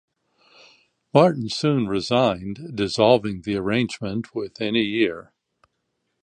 Martin soon resigned, dissolving the arrangement within a year.